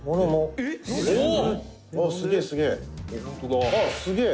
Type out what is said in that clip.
「すげえ、すげえ。